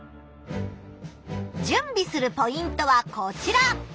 じゅんびするポイントはこちら！